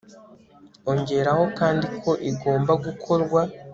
ongeraho kandi ko igomba gukorwa